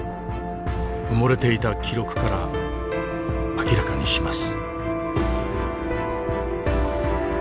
埋もれていた記録から明らかにします。